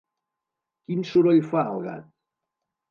Quin soroll fa el gat?